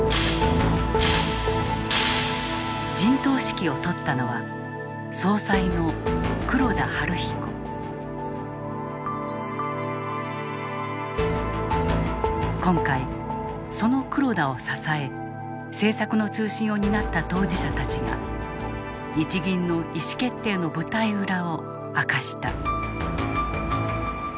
陣頭指揮を執ったのは今回その黒田を支え政策の中心を担った当事者たちが日銀の意思決定の舞台裏を明かした。